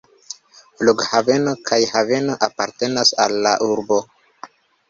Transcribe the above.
Flughaveno kaj haveno apartenas al la urbo.